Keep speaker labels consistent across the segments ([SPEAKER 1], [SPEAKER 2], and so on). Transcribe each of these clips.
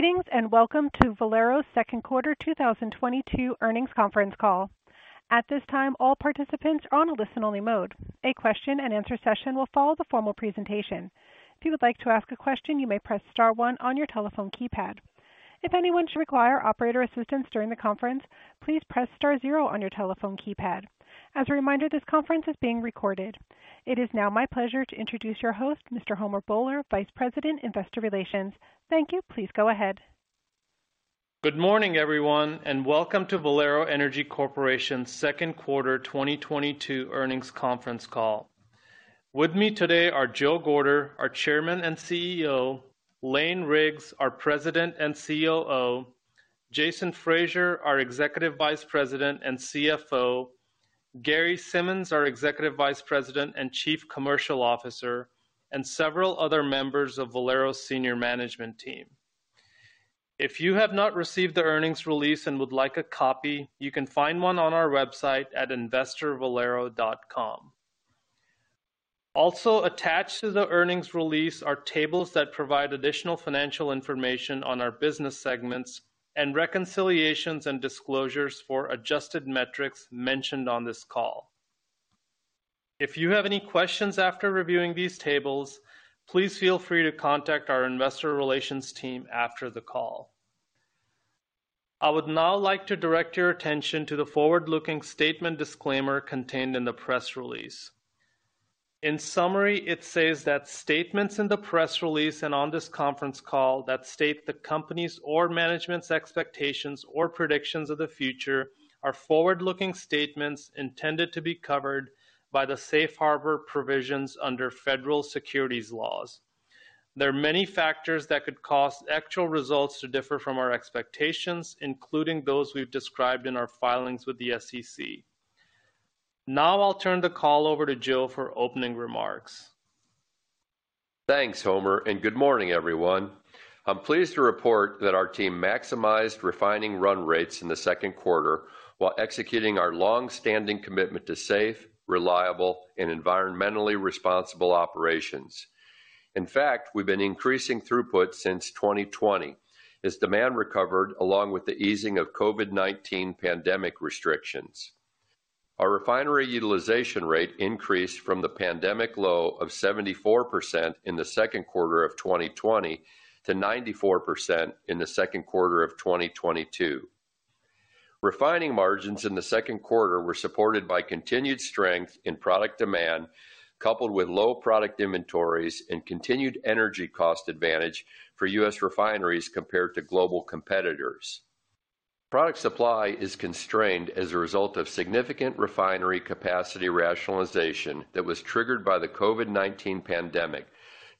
[SPEAKER 1] Greetings, and welcome to Valero's Second Quarter 2022 Earnings Conference Call. At this time, all participants are on a listen-only mode. A question-and-answer session will follow the formal presentation. If you would like to ask a question, you may press star one on your telephone keypad. If anyone should require operator assistance during the conference, please press star zero on your telephone keypad. As a reminder, this conference is being recorded. It is now my pleasure to introduce your host, Mr. Homer Bhullar, Vice President, Investor Relations. Thank you. Please go ahead.
[SPEAKER 2] Good morning, everyone, and welcome to Valero Energy Corporation's Second Quarter 2022 Earnings Conference Call. With me today are Joe Gorder, our Chairman and CEO, Lane Riggs, our President and COO, Jason Fraser, our Executive Vice President and CFO, Gary Simmons, our Executive Vice President and Chief Commercial Officer, and several other members of Valero's senior management team. If you have not received the earnings release and would like a copy, you can find one on our website at investorvalero.com. Also, attached to the earnings release are tables that provide additional financial information on our business segments and reconciliations and disclosures for adjusted metrics mentioned on this call. If you have any questions after reviewing these tables, please feel free to contact our investor relations team after the call. I would now like to direct your attention to the Forward-Looking Statement Disclaimer contained in the press release. In summary, it says that statements in the press release and on this conference call that state the company's or management's expectations or predictions of the future are forward-looking statements intended to be covered by the safe harbor provisions under federal securities laws. There are many factors that could cause actual results to differ from our expectations, including those we've described in our filings with the SEC. Now I'll turn the call over to Joe for opening remarks.
[SPEAKER 3] Thanks, Homer, and good morning, everyone. I'm pleased to report that our team maximized refining run rates in the second quarter while executing our long-standing commitment to safe, reliable, and environmentally responsible operations. In fact, we've been increasing throughput since 2020 as demand recovered along with the easing of COVID-19 pandemic restrictions. Our refinery utilization rate increased from the pandemic low of 74% in the second quarter of 2020 to 94% in the second quarter of 2022. Refining margins in the second quarter were supported by continued strength in product demand, coupled with low product inventories and continued energy cost advantage for U.S. refineries compared to global competitors. Product supply is constrained as a result of significant refinery capacity rationalization that was triggered by the COVID-19 pandemic,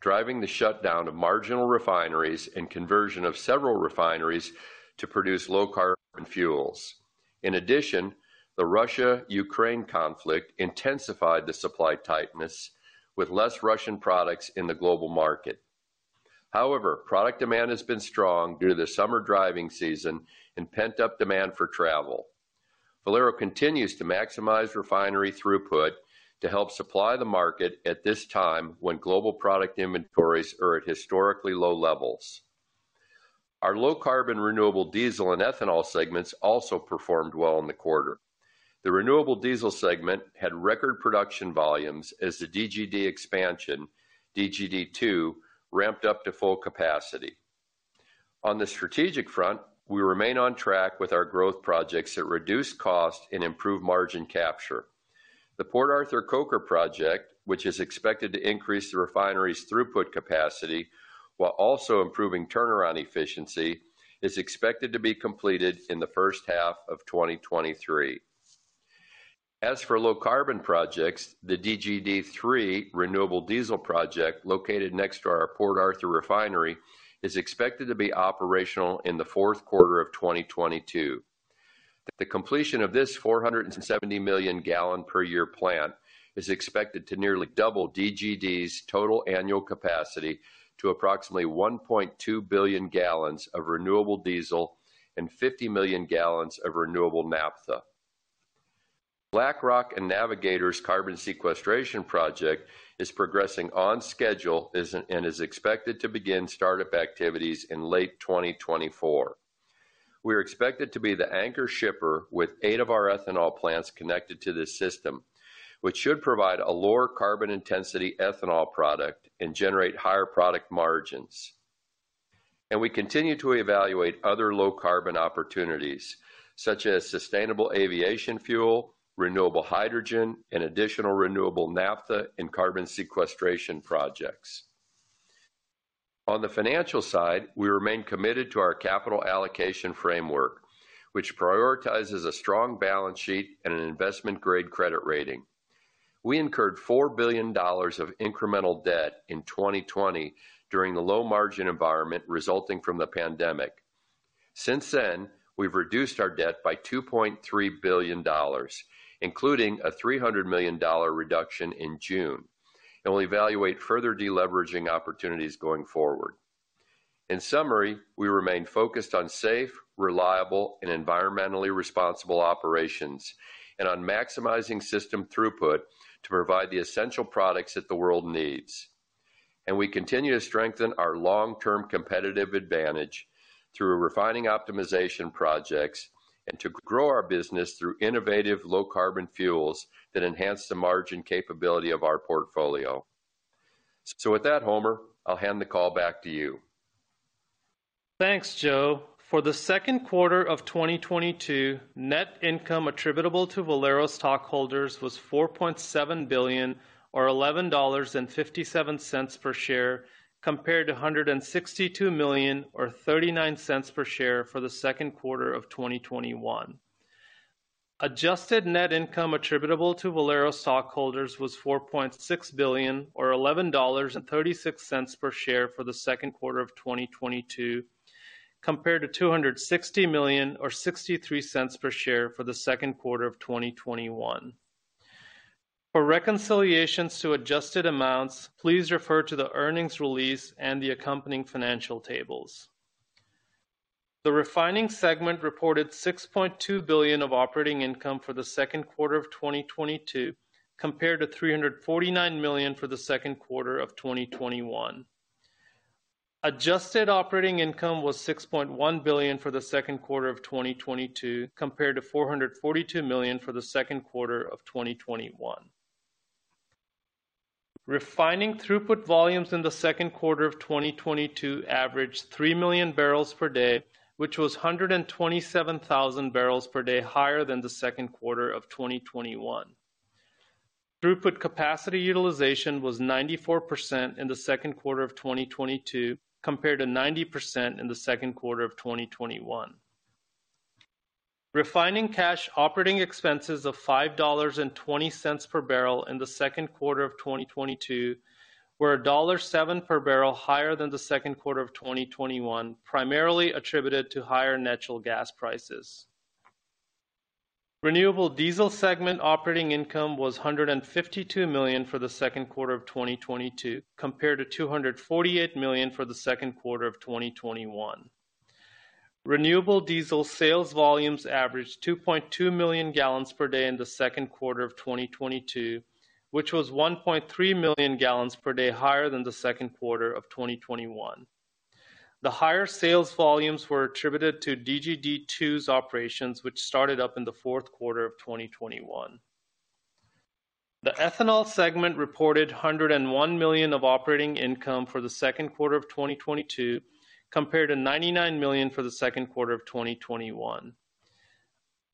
[SPEAKER 3] driving the shutdown of marginal refineries and conversion of several refineries to produce low-carbon fuels. In addition, the Russia-Ukraine conflict intensified the supply tightness with less Russian products in the global market. However, product demand has been strong due to the summer driving season and pent-up demand for travel. Valero continues to maximize refinery throughput to help supply the market at this time when global product inventories are at historically low levels. Our low-carbon renewable diesel and ethanol segments also performed well in the quarter. The renewable diesel segment had record production volumes as the DGD expansion, DGD2, ramped up to full capacity. On the strategic front, we remain on track with our growth projects that reduce cost and improve margin capture. The Port Arthur Coker Project, which is expected to increase the refinery's throughput capacity while also improving turnaround efficiency, is expected to be completed in the first half of 2023. As for low-carbon projects, the DGD3 renewable diesel project located next to our Port Arthur refinery is expected to be operational in the fourth quarter of 2022. The completion of this 470 million gallon per year plant is expected to nearly double DGD's total annual capacity to approximately 1.2 billion gallons of renewable diesel and 50 million gallons of renewable naphtha. BlackRock and Navigator CO2 Ventures' carbon sequestration project is progressing on schedule and is expected to begin startup activities in late 2024. We are expected to be the anchor shipper with eight of our ethanol plants connected to this system, which should provide a lower carbon intensity ethanol product and generate higher product margins. We continue to evaluate other low-carbon opportunities such as sustainable aviation fuel, renewable hydrogen, and additional renewable naphtha and carbon sequestration projects. On the financial side, we remain committed to our capital allocation framework, which prioritizes a strong balance sheet and an investment-grade credit rating. We incurred $4 billion of incremental debt in 2020 during the low margin environment resulting from the pandemic. Since then, we've reduced our debt by $2.3 billion, including a $300 million reduction in June. We'll evaluate further deleveraging opportunities going forward. In summary, we remain focused on safe, reliable, and environmentally responsible operations and on maximizing system throughput to provide the essential products that the world needs. We continue to strengthen our long-term competitive advantage through refining optimization projects and to grow our business through innovative low-carbon fuels that enhance the margin capability of our portfolio. With that, Homer, I'll hand the call back to you.
[SPEAKER 2] Thanks, Joe. For the second quarter of 2022, net income attributable to Valero stockholders was $4.7 billion or $11.57 per share, compared to $162 million or $0.39 per share for the second quarter of 2021. Adjusted net income attributable to Valero stockholders was $4.6 billion or $11.36 per share for the second quarter of 2022, compared to $260 million or $0.63 per share for the second quarter of 2021. For reconciliations to adjusted amounts, please refer to the earnings release and the accompanying financial tables. The refining segment reported $6.2 billion of operating income for the second quarter of 2022, compared to $349 million for the second quarter of 2021. Adjusted operating income was $6.1 billion for the second quarter of 2022, compared to $442 million for the second quarter of 2021. Refining throughput volumes in the second quarter of 2022 averaged 3 million barrels per day, which was 127,000 barrels per day higher than the second quarter of 2021. Throughput capacity utilization was 94% in the second quarter of 2022, compared to 90% in the second quarter of 2021. Refining cash operating expenses of $5.20 per barrel in the second quarter of 2022 were $1.07 per barrel higher than the second quarter of 2021, primarily attributed to higher natural gas prices. Renewable diesel segment operating income was $152 million for the second quarter of 2022, compared to $248 million for the second quarter of 2021. Renewable diesel sales volumes averaged 2.2 million gallons per day in the second quarter of 2022, which was 1.3 million gallons per day higher than the second quarter of 2021. The higher sales volumes were attributed to DGD2's operations, which started up in the fourth quarter of 2021. The ethanol segment reported $101 million of operating income for the second quarter of 2022, compared to $99 million for the second quarter of 2021.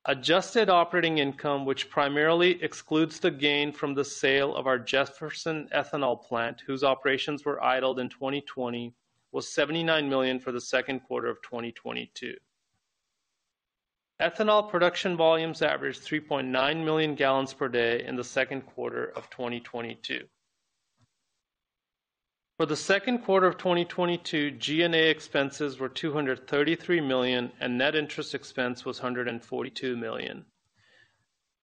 [SPEAKER 2] Adjusted operating income, which primarily excludes the gain from the sale of our Jefferson ethanol plant, whose operations were idled in 2020, was $79 million for the second quarter of 2022. Ethanol production volumes averaged 3.9 million gallons per day in the second quarter of 2022. For the second quarter of 2022, G&A expenses were $233 million, and net interest expense was $142 million.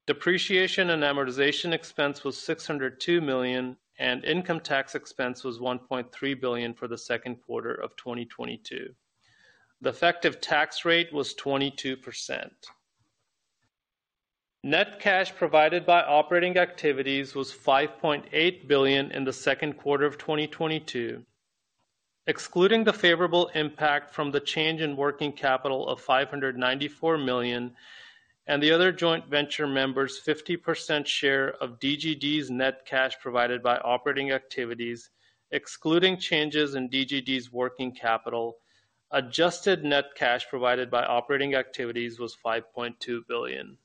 [SPEAKER 2] Depreciation and amortization expense was $602 million, and income tax expense was $1.3 billion for the second quarter of 2022. The effective tax rate was 22%. Net cash provided by operating activities was $5.8 billion in the second quarter of 2022. Excluding the favorable impact from the change in working capital of $594 million and the other joint venture members' 50% share of DGD's net cash provided by operating activities, excluding changes in DGD's working capital, adjusted net cash provided by operating activities was $5.2 billion.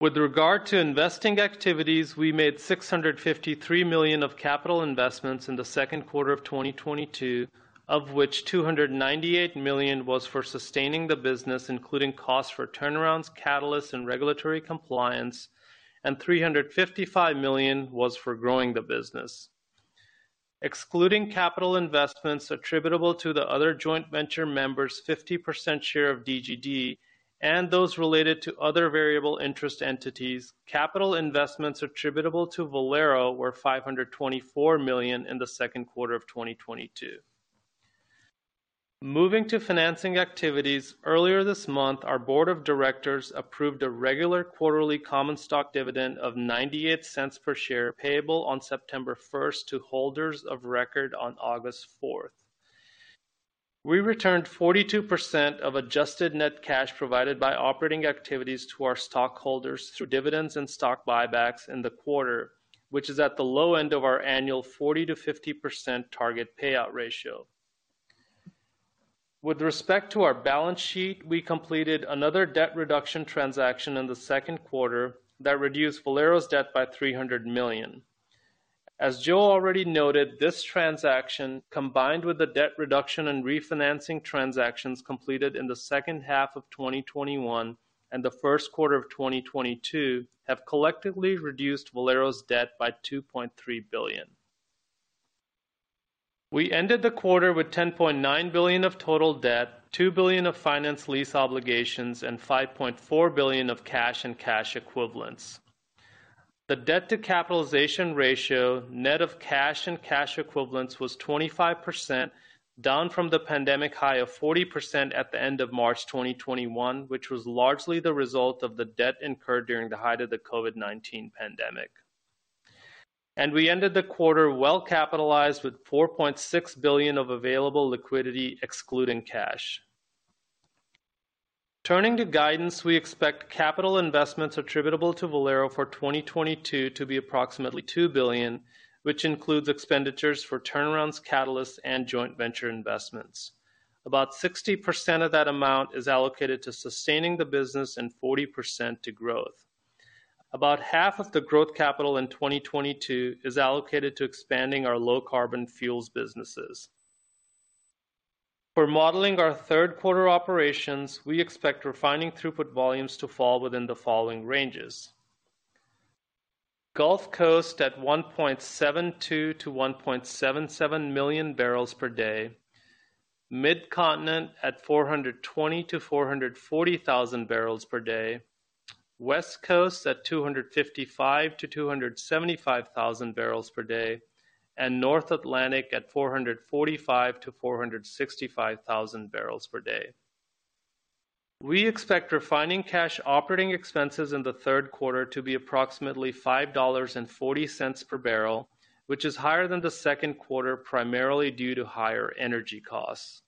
[SPEAKER 2] With regard to investing activities, we made $653 million of capital investments in the second quarter of 2022, of which $298 million was for sustaining the business, including costs for turnarounds, catalysts, and regulatory compliance, and $355 million was for growing the business. Excluding capital investments attributable to the other joint venture members' 50% share of DGD and those related to other variable interest entities, capital investments attributable to Valero were $524 million in the second quarter of 2022. Moving to financing activities, earlier this month, our Board of Directors approved a regular quarterly common stock dividend of $0.98 per share, payable on September 1 to holders of record on August 4. We returned 42% of adjusted net cash provided by operating activities to our stockholders through dividends and stock buybacks in the quarter, which is at the low end of our annual 40%-50% target payout ratio. With respect to our balance sheet, we completed another debt reduction transaction in the second quarter that reduced Valero's debt by $300 million. As Joe already noted, this transaction, combined with the debt reduction and refinancing transactions completed in the second half of 2021 and the first quarter of 2022, have collectively reduced Valero's debt by $2.3 billion. We ended the quarter with $10.9 billion of total debt, $2 billion of finance lease obligations, and $5.4 billion of cash and cash equivalents. The debt-to-capitalization ratio, net of cash and cash equivalents, was 25%, down from the pandemic high of 40% at the end of March 2021, which was largely the result of the debt incurred during the height of the COVID-19 pandemic. We ended the quarter well-capitalized with $4.6 billion of available liquidity excluding cash. Turning to guidance, we expect capital investments attributable to Valero for 2022 to be approximately $2 billion, which includes expenditures for turnarounds, catalysts, and joint venture investments. About 60% of that amount is allocated to sustaining the business and 40% to growth. About half of the growth capital in 2022 is allocated to expanding our low-carbon fuels businesses. For modeling our third quarter operations, we expect refining throughput volumes to fall within the following ranges. Gulf Coast at 1.72-1.77 million barrels per day. Mid-Continent at 420-440 thousand barrels per day. West Coast at 255-275 thousand barrels per day. North Atlantic at 445-465 thousand barrels per day. We expect refining cash operating expenses in the third quarter to be approximately $5.40 per barrel, which is higher than the second quarter, primarily due to higher energy costs.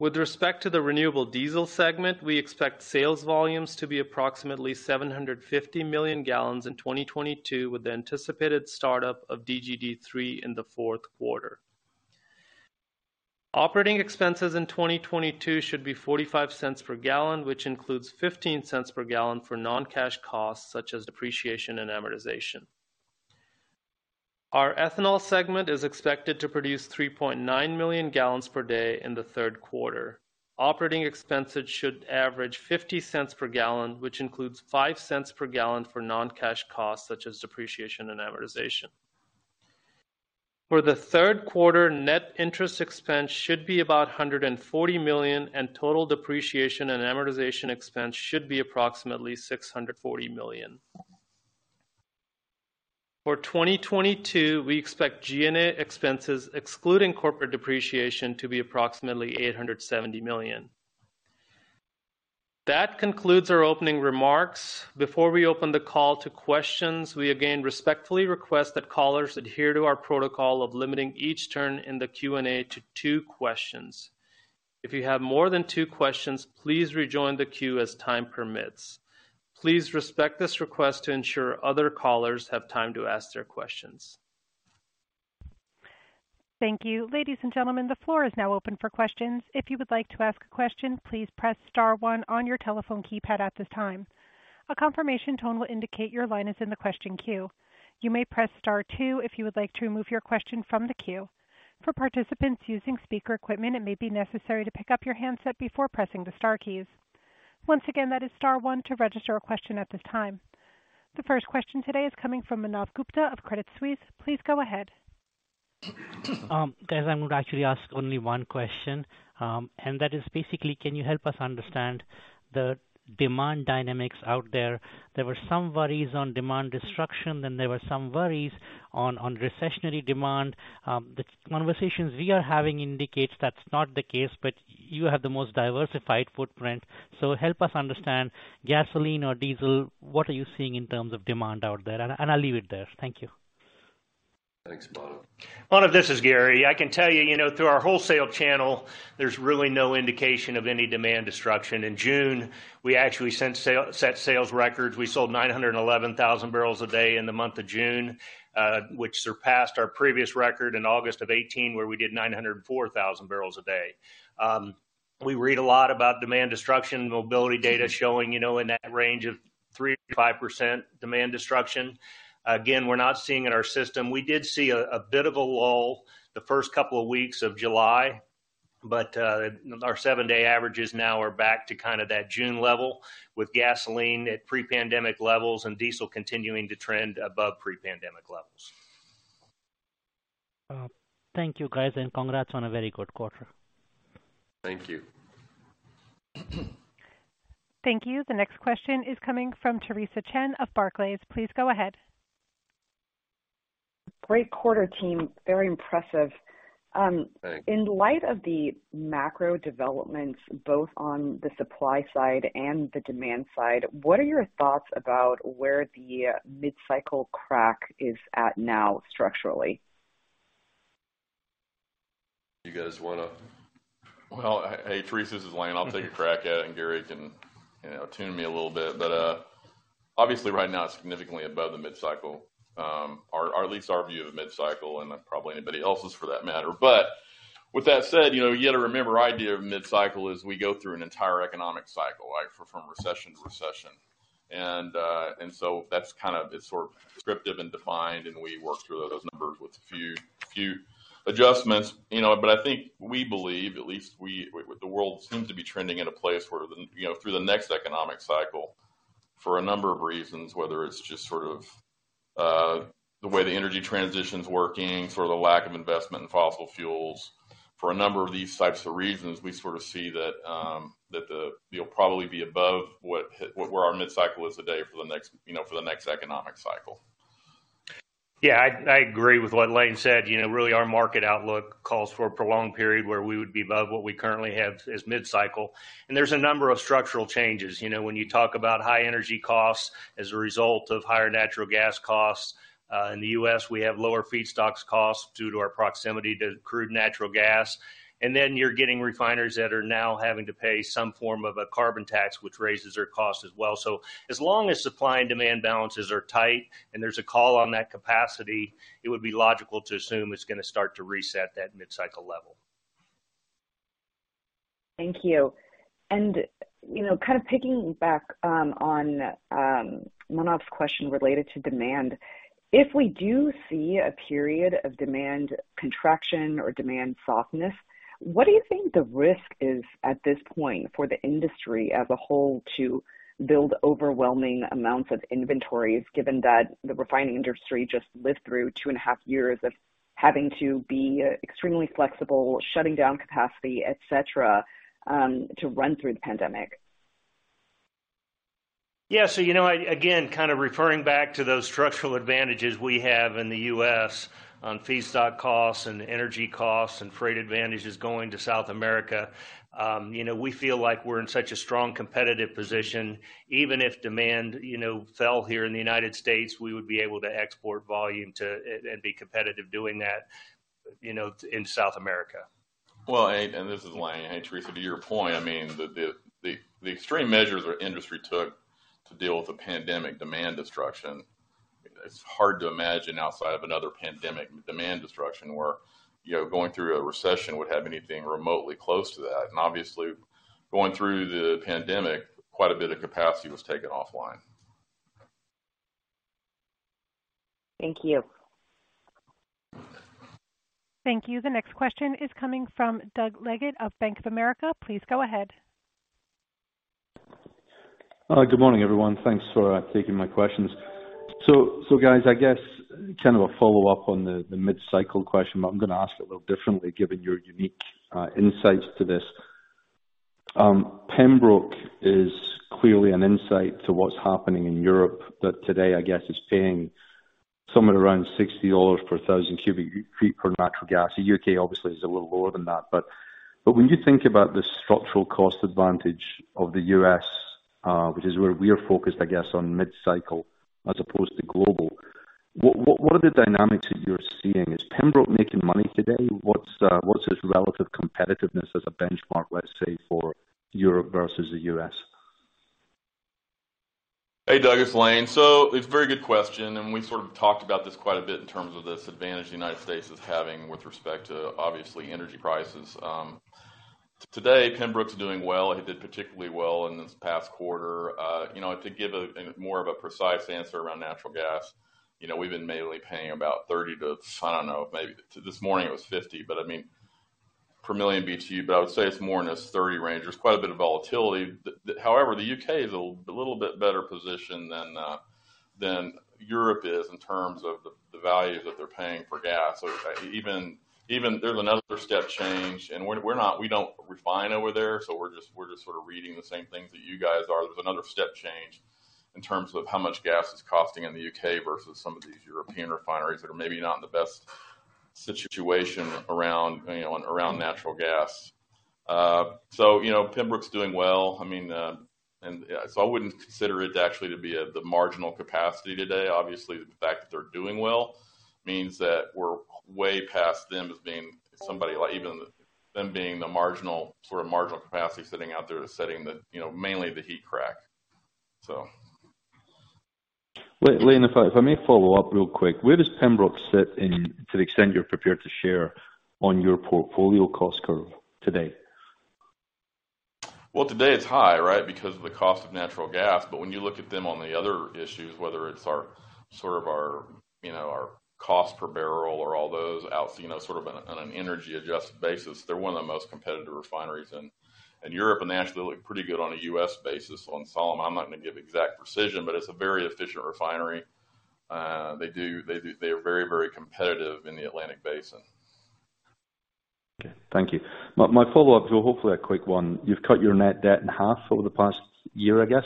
[SPEAKER 2] With respect to the renewable diesel segment, we expect sales volumes to be approximately 750 million gallons in 2022, with the anticipated start-up of DGD3 in the fourth quarter. Operating expenses in 2022 should be $0.45 per gallon, which includes $0.15 per gallon for non-cash costs such as depreciation and amortization. Our ethanol segment is expected to produce 3.9 million gallons per day in the third quarter. Operating expenses should average $0.50 per gallon, which includes $0.05 per gallon for non-cash costs such as depreciation and amortization. For the third quarter, net interest expense should be about $140 million, and total depreciation and amortization expense should be approximately $640 million. For 2022, we expect G&A expenses, excluding corporate depreciation, to be approximately $870 million. That concludes our opening remarks. Before we open the call to questions, we again respectfully request that callers adhere to our protocol of limiting each turn in the Q&A to two questions. If you have more than two questions, please rejoin the queue as time permits. Please respect this request to ensure other callers have time to ask their questions.
[SPEAKER 1] Thank you. Ladies and gentlemen, the floor is now open for questions. If you would like to ask a question, please press star one on your telephone keypad at this time. A confirmation tone will indicate your line is in the question queue. You may press star two if you would like to remove your question from the queue. For participants using speaker equipment, it may be necessary to pick up your handset before pressing the star keys. Once again, that is star one to register a question at this time. The first question today is coming from Manav Gupta of Credit Suisse. Please go ahead.
[SPEAKER 4] Guys, I'm gonna actually ask only one question. That is basically, can you help us understand the demand dynamics out there? There were some worries on demand destruction, then there were some worries on recessionary demand. The conversations we are having indicates that's not the case. But you have the most diversified footprint, so help us understand gasoline or diesel, what are you seeing in terms of demand out there? I'll leave it there. Thank you.
[SPEAKER 2] Thanks, Manav.
[SPEAKER 5] Manav, this is Gary. I can tell you know, through our wholesale channel, there's really no indication of any demand destruction. In June, we actually set sales records. We sold 911,000 barrels a day in the month of June, which surpassed our previous record in August of 2018, where we did 904,000 barrels a day. We read a lot about demand destruction, mobility data showing, you know, in that range of 3%-5% demand destruction. Again, we're not seeing in our system. We did see a bit of a lull the first couple of weeks of July, but our seven-day averages now are back to kind of that June level, with gasoline at pre-pandemic levels and diesel continuing to trend above pre-pandemic levels.
[SPEAKER 4] Thank you, guys, and congrats on a very good quarter.
[SPEAKER 2] Thank you.
[SPEAKER 1] Thank you. The next question is coming from Theresa Chen of Barclays. Please go ahead.
[SPEAKER 6] Great quarter team, very impressive.
[SPEAKER 2] Thanks.
[SPEAKER 6] In light of the macro developments, both on the supply side and the demand side, what are your thoughts about where the mid-cycle crack is at now structurally?
[SPEAKER 7] Hey, Theresa, this is Lane. I'll take a crack at it, and Gary can, you know, tune me a little bit. Obviously right now it's significantly above the mid-cycle. At least our view of the mid-cycle and then probably anybody else's for that matter. With that said, you know, you gotta remember our idea of mid-cycle is we go through an entire economic cycle, like from recession to recession. That's sort of descriptive and defined, and we work through those numbers with a few adjustments. You know, I think we believe at least with the world seems to be trending in a place where the, you know, through the next economic cycle for a number of reasons, whether it's just sort of the way the energy transition's working or the lack of investment in fossil fuels. For a number of these types of reasons, we sort of see that you'll probably be above where our mid-cycle is today for the next, you know, for the next economic cycle.
[SPEAKER 5] Yeah, I agree with what Lane said. You know, really our market outlook calls for a prolonged period where we would be above what we currently have as mid-cycle. There's a number of structural changes. You know, when you talk about high energy costs as a result of higher natural gas costs in the U.S., we have lower feedstocks costs due to our proximity to crude, natural gas. Then you're getting refiners that are now having to pay some form of a carbon tax, which raises their cost as well. As long as supply and demand balances are tight and there's a call on that capacity, it would be logical to assume it's gonna start to reset that mid-cycle level.
[SPEAKER 6] Thank you. You know, kind of piggyback on Manav's question related to demand. If we do see a period of demand contraction or demand softness, what do you think the risk is at this point for the industry as a whole to build overwhelming amounts of inventories, given that the refining industry just lived through two and a half years of having to be extremely flexible, shutting down capacity, et cetera, to run through the pandemic?
[SPEAKER 5] Yeah. You know, again, kind of referring back to those structural advantages we have in the U.S. on feedstock costs and energy costs and freight advantages going to South America, you know, we feel like we're in such a strong competitive position. Even if demand, you know, fell here in the United States, we would be able to export volume to and be competitive doing that, you know, in South America.
[SPEAKER 7] This is Lane. Hey, Theresa. To your point, I mean, the extreme measures our industry took to deal with the pandemic demand destruction. It's hard to imagine outside of another pandemic demand destruction where, you know, going through a recession would have anything remotely close to that. Obviously going through the pandemic, quite a bit of capacity was taken offline.
[SPEAKER 6] Thank you.
[SPEAKER 1] Thank you. The next question is coming from Doug Leggate of Bank of America. Please go ahead.
[SPEAKER 8] Good morning, everyone. Thanks for taking my questions. Guys, I guess kind of a follow-up on the mid-cycle question, but I'm gonna ask it a little differently given your unique insight into this. Pembroke is clearly an insight into what's happening in Europe. Today, I guess it's paying somewhere around $60 per thousand cubic feet of natural gas. The U.K. obviously is a little lower than that. When you think about the structural cost advantage of the U.S., which is where we are focused, I guess, on mid-cycle as opposed to global, what are the dynamics that you're seeing? Is Pembroke making money today? What's its relative competitiveness as a benchmark, let's say, for Europe versus the U.S.?
[SPEAKER 7] Hey, Doug, it's Lane. It's a very good question, and we sort of talked about this quite a bit in terms of this advantage the United States is having with respect to, obviously, energy prices. Today, Pembroke's doing well. It did particularly well in this past quarter. You know, to give more of a precise answer around natural gas. You know, we've been mainly paying about $30 to, I don't know, maybe. This morning it was $50. But I mean, per million BTU, but I would say it's more in this 30 range. There's quite a bit of volatility. However, the U.K. is a little bit better positioned than Europe is in terms of the value that they're paying for gas. Even there's another step change, and we don't refine over there, so we're just sort of reading the same things that you guys are. There's another step change in terms of how much gas is costing in the U.K. versus some of these European refineries that are maybe not in the best situation around natural gas. You know, Pembroke's doing well. I mean, I wouldn't consider it actually to be at the marginal capacity today. Obviously, the fact that they're doing well means that we're way past them as being somebody like even them being the marginal capacity sitting out there, setting, you know, mainly the heat crack.
[SPEAKER 8] Lane, if I may follow up real quick. Where does Pembroke sit in, to the extent you're prepared to share, on your portfolio cost curve today?
[SPEAKER 7] Well, today it's high, right? Because of the cost of natural gas. When you look at them on the other issues, whether it's our sort of, you know, our cost per barrel or all those other, you know, sort of on an energy-adjusted basis, they're one of the most competitive refineries in Europe, and they actually look pretty good on a U.S. basis. On Solomon, I'm not gonna give exact precision, but it's a very efficient refinery. They are very, very competitive in the Atlantic Basin.
[SPEAKER 8] Okay. Thank you. My follow-up is hopefully a quick one. You've cut your net debt in half over the past year, I guess.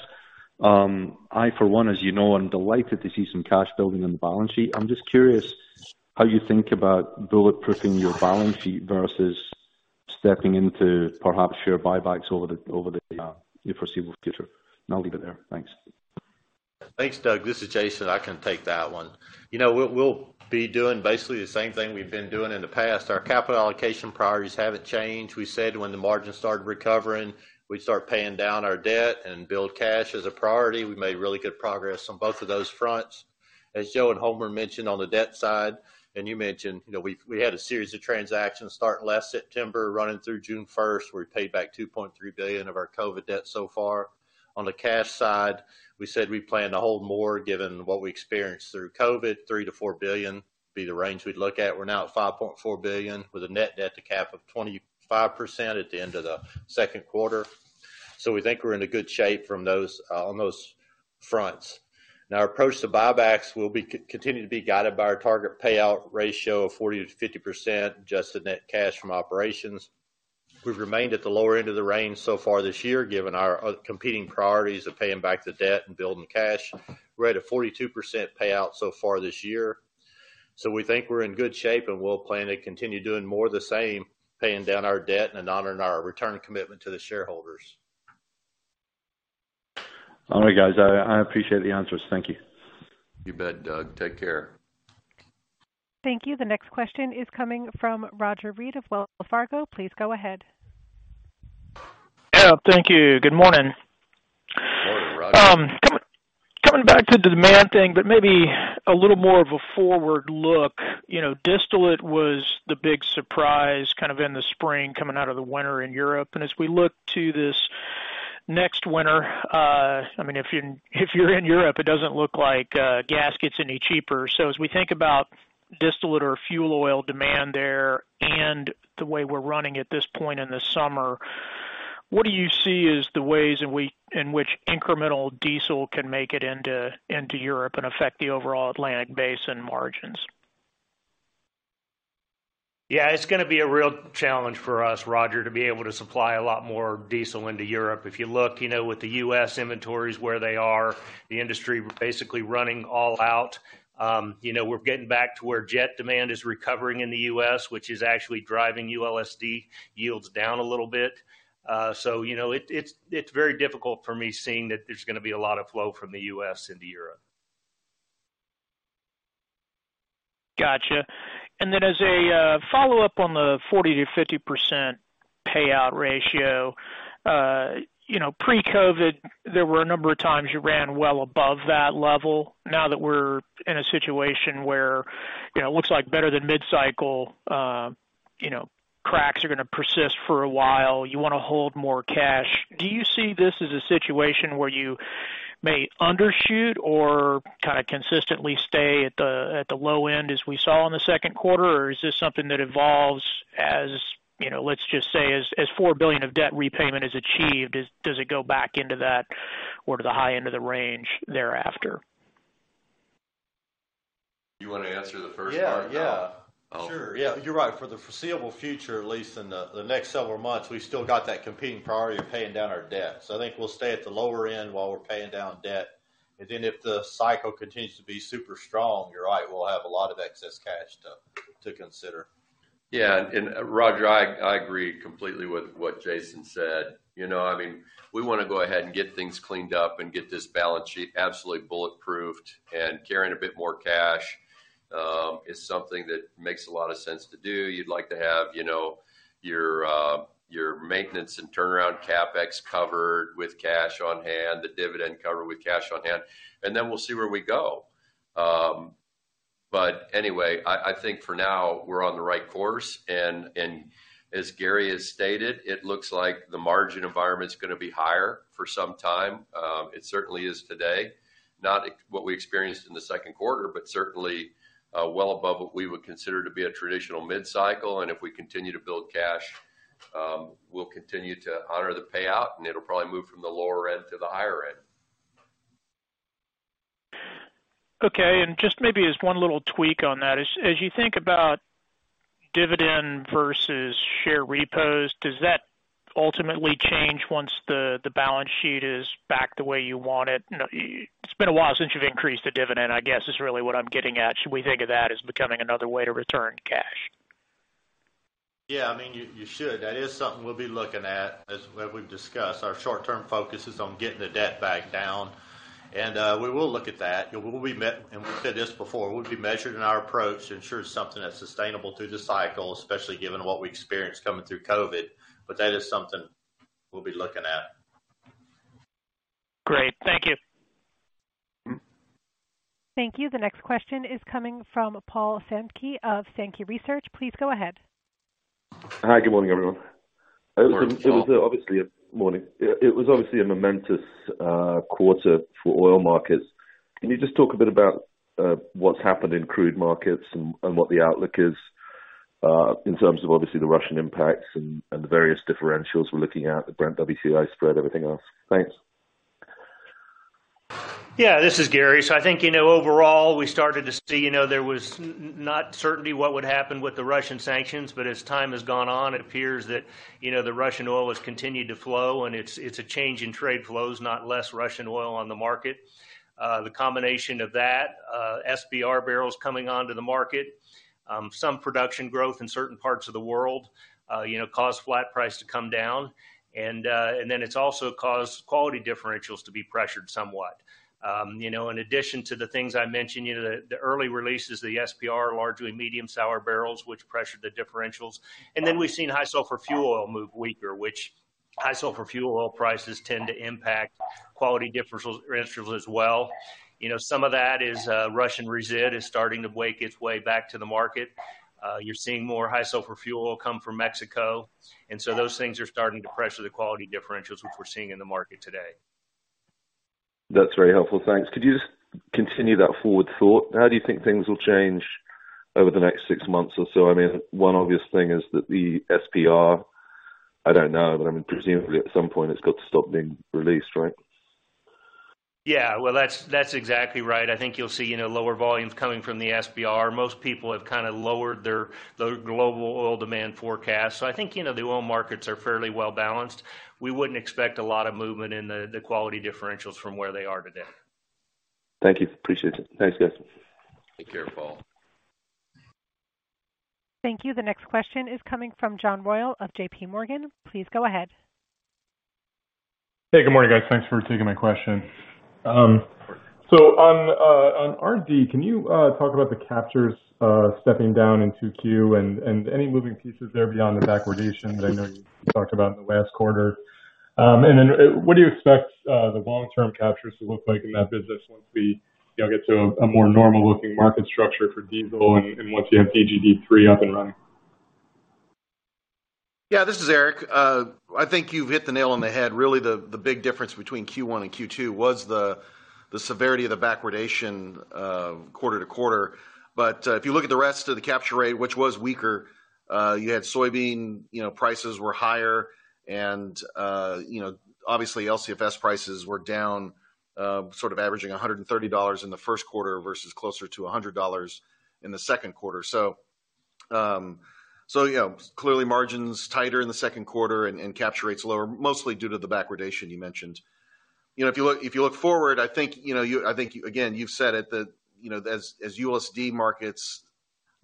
[SPEAKER 8] I, for one, as you know, I'm delighted to see some cash building on the balance sheet. I'm just curious how you think about bulletproofing your balance sheet versus stepping into perhaps share buybacks over the foreseeable future. I'll leave it there. Thanks.
[SPEAKER 9] Thanks, Doug. This is Jason. I can take that one. You know, we'll be doing basically the same thing we've been doing in the past. Our capital allocation priorities haven't changed. We said when the margins started recovering, we'd start paying down our debt and build cash as a priority. We made really good progress on both of those fronts. As Joe and Homer mentioned on the debt side, and you mentioned, you know, we had a series of transactions start last September, running through June 1. We paid back $2.3 billion of our COVID debt so far. On the cash side, we said we plan to hold more, given what we experienced through COVID, $3-$4 billion be the range we'd look at. We're now at $5.4 billion with a net debt-to-cap of 25% at the end of the second quarter. We think we're in a good shape from those on those fronts. Now, our approach to buybacks will continue to be guided by our target payout ratio of 40%-50%, adjusted net cash from operations. We've remained at the lower end of the range so far this year, given our competing priorities of paying back the debt and building cash. We're at a 42% payout so far this year. We think we're in good shape, and we'll plan to continue doing more of the same, paying down our debt and honoring our return commitment to the shareholders.
[SPEAKER 10] All right, guys, I appreciate the answers. Thank you.
[SPEAKER 3] You bet, Doug. Take care.
[SPEAKER 1] Thank you. The next question is coming from Roger Read of Wells Fargo. Please go ahead.
[SPEAKER 11] Yeah, thank you. Good morning.
[SPEAKER 3] Good morning, Roger.
[SPEAKER 11] Coming back to the demand thing, but maybe a little more of a forward look. You know, distillate was the big surprise kind of in the spring coming out of the winter in Europe. As we look to this next winter, I mean, if you're in Europe, it doesn't look like gas gets any cheaper. As we think about distillate or fuel oil demand there and the way we're running at this point in the summer, what do you see as the ways in which incremental diesel can make it into Europe and affect the overall Atlantic Basin margins?
[SPEAKER 5] Yeah, it's gonna be a real challenge for us, Roger, to be able to supply a lot more diesel into Europe. If you look, you know, with the U.S. inventories where they are, the industry basically running all out. You know, we're getting back to where jet demand is recovering in the U.S., which is actually driving ULSD yields down a little bit. You know, it's very difficult for me seeing that there's gonna be a lot of flow from the U.S. into Europe.
[SPEAKER 11] Gotcha. As a follow-up on the 40%-50% payout ratio, you know, pre-COVID, there were a number of times you ran well above that level. Now that we're in a situation where, you know, it looks like better than mid-cycle, you know, cracks are gonna persist for a while. You wanna hold more cash. Do you see this as a situation where you may undershoot or kinda consistently stay at the low end as we saw in the second quarter? Is this something that evolves as, you know, let's just say, as $4 billion of debt repayment is achieved, does it go back into that or to the high end of the range thereafter?
[SPEAKER 3] You wanna answer the first part?
[SPEAKER 5] Yeah. Yeah.
[SPEAKER 3] Oh.
[SPEAKER 5] Sure. Yeah, you're right. For the foreseeable future, at least in the next several months, we still got that competing priority of paying down our debt. I think we'll stay at the lower end while we're paying down debt. If the cycle continues to be super strong, you're right, we'll have a lot of excess cash to consider.
[SPEAKER 3] Yeah. Roger, I agree completely with what Jason said. You know, I mean, we want to go ahead and get things cleaned up and get this balance sheet absolutely bulletproofed and carrying a bit more cash is something that makes a lot of sense to do. You'd like to have, you know, your maintenance and turnaround CapEx covered with cash on hand, the dividend covered with cash on hand, and then we'll see where we go. But anyway, I think for now we're on the right course, and as Gary has stated, it looks like the margin environment is going to be higher for some time. It certainly is today, not what we experienced in the second quarter, but certainly well above what we would consider to be a traditional mid-cycle. If we continue to build cash, we'll continue to honor the payout, and it'll probably move from the lower end to the higher end.
[SPEAKER 11] Okay. Just maybe as one little tweak on that. As you think about dividend versus share repos, does that ultimately change once the balance sheet is back the way you want it? You know, it's been a while since you've increased the dividend, I guess, is really what I'm getting at. Should we think of that as becoming another way to return cash?
[SPEAKER 5] Yeah, I mean, you should. That is something we'll be looking at, what we've discussed. Our short-term focus is on getting the debt back down, and we will look at that. We've said this before, we'll be measured in our approach to ensure it's something that's sustainable through the cycle, especially given what we experienced coming through COVID. That is something we'll be looking at.
[SPEAKER 11] Great. Thank you.
[SPEAKER 3] Mm-hmm.
[SPEAKER 1] Thank you. The next question is coming from Paul Sankey of Sankey Research. Please go ahead.
[SPEAKER 12] Hi, good morning, everyone.
[SPEAKER 3] Good morning, Paul.
[SPEAKER 12] It was obviously a momentous quarter for oil markets. Can you just talk a bit about what's happened in crude markets and what the outlook is in terms of obviously the Russian impacts and the various differentials we're looking at, the Brent WTI spread, everything else? Thanks.
[SPEAKER 5] Yeah, this is Gary. I think, you know, overall, we started to see, you know, there was not certainty what would happen with the Russian sanctions. As time has gone on, it appears that, you know, the Russian oil has continued to flow, and it's a change in trade flows, not less Russian oil on the market. The combination of that, SPR barrels coming onto the market, some production growth in certain parts of the world, you know, caused flat price to come down. Then it's also caused quality differentials to be pressured somewhat. You know, in addition to the things I mentioned, you know, the early releases, the SPR, largely medium sour barrels, which pressured the differentials. We've seen high sulfur fuel oil move weaker, which high sulfur fuel oil prices tend to impact quality differentials as well. You know, some of that is, Russian resid is starting to make its way back to the market. You're seeing more high sulfur fuel oil come from Mexico, and so those things are starting to pressure the quality differentials, which we're seeing in the market today.
[SPEAKER 12] That's very helpful. Thanks. Could you just continue that forward thought? How do you think things will change over the next six months or so? I mean, one obvious thing is that the SPR, I don't know, but I mean, presumably at some point it's got to stop being released, right?
[SPEAKER 13] Yeah. Well, that's exactly right. I think you'll see, you know, lower volumes coming from the SPR. Most people have kind of lowered their global oil demand forecast. So I think, you know, the oil markets are fairly well-balanced. We wouldn't expect a lot of movement in the quality differentials from where they are today.
[SPEAKER 14] Thank you. Appreciate it. Thanks, guys.
[SPEAKER 15] Take care, Paul.
[SPEAKER 1] Thank you. The next question is coming from John Royall of JPMorgan. Please go ahead.
[SPEAKER 16] Hey, good morning, guys. Thanks for taking my question. So on RD, can you talk about the captures stepping down in 2Q and any moving pieces there beyond the backwardation that I know you talked about in the last quarter? And then, what do you expect the long-term captures to look like in that business once we, you know, get to a more normal-looking market structure for diesel and once you have DGD3 up and running?
[SPEAKER 15] Yeah, this is Erik. I think you've hit the nail on the head. Really the big difference between Q1 and Q2 was the severity of the backwardation quarter to quarter. If you look at the rest of the capture rate, which was weaker, you had soybean prices were higher and you know, obviously LCFS prices were down, sort of averaging $130 in the first quarter versus closer to $100 in the second quarter. Yeah, clearly margins tighter in the second quarter and capture rates lower, mostly due to the backwardation you mentioned. You know, if you look forward, I think, you know, you. I think, again, you've said it, that, you know, as U.S. dollar markets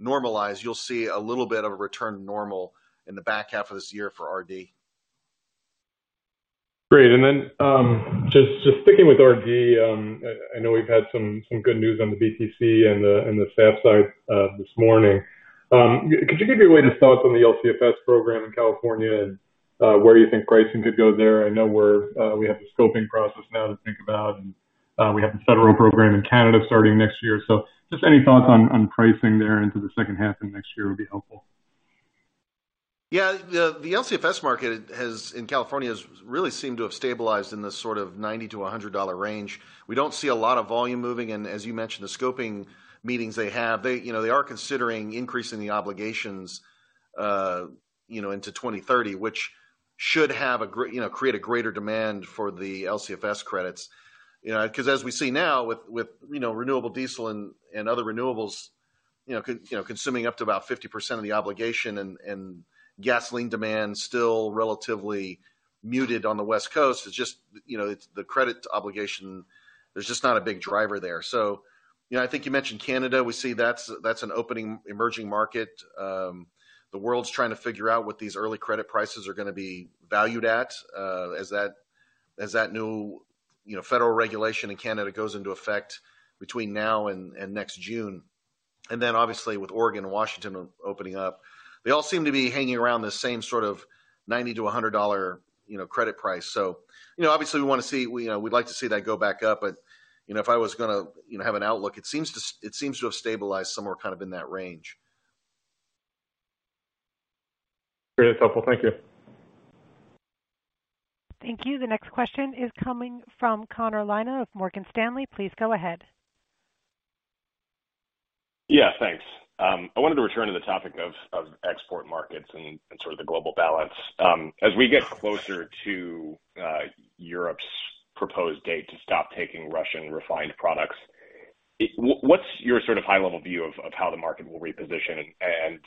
[SPEAKER 15] normalize, you'll see a little bit of a return to normal in the back half of this year for RD.
[SPEAKER 16] Great. Just sticking with RD, I know we've had some good news on the BTC and the SAF side this morning. Could you give your latest thoughts on the LCFS program in California and where you think pricing could go there? I know we have the scoping process now to think about, and we have the federal program in Canada starting next year. Just any thoughts on pricing there into the second half and next year would be helpful.
[SPEAKER 15] Yeah. The LCFS market in California has really seemed to have stabilized in this sort of $90-$100 range. We don't see a lot of volume moving, and as you mentioned, the scoping meetings they have, they are considering increasing the obligations, you know, into 2030, which should create a greater demand for the LCFS credits. You know, 'cause as we see now with renewable diesel and other renewables, you know, consuming up to about 50% of the obligation and gasoline demand still relatively muted on the West Coast. It's just, you know, it's the credit obligation. There's just not a big driver there. You know, I think you mentioned Canada. We see that's an opening emerging market. The world's trying to figure out what these early credit prices are gonna be valued at, as that new, you know, federal regulation in Canada goes into effect between now and next June. Then obviously with Oregon and Washington opening up, they all seem to be hanging around the same sort of $90-$100, you know, credit price. You know, obviously we wanna see. We, you know, we'd like to see that go back up, but, you know, if I was gonna, you know, have an outlook, it seems to have stabilized somewhere kind of in that range.
[SPEAKER 16] Very helpful. Thank you.
[SPEAKER 1] Thank you. The next question is coming from Connor Lynagh of Morgan Stanley. Please go ahead.
[SPEAKER 13] Yeah, thanks. I wanted to return to the topic of export markets and sort of the global balance. As we get closer to Europe's proposed date to stop taking Russian refined products, what's your sort of high-level view of how the market will reposition?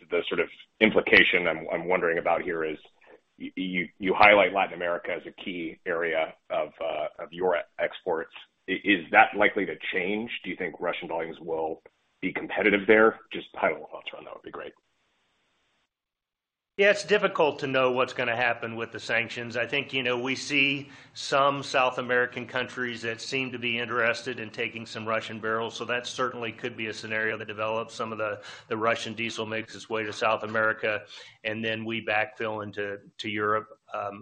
[SPEAKER 13] The sort of implication I'm wondering about here is you highlight Latin America as a key area of your exports. Is that likely to change? Do you think Russian volumes will be competitive there? Just high-level thoughts around that would be great.
[SPEAKER 15] Yeah. It's difficult to know what's gonna happen with the sanctions. I think, you know, we see some South American countries that seem to be interested in taking some Russian barrels, so that certainly could be a scenario that develops. Some of the Russian diesel makes its way to South America, and then we backfill into Europe.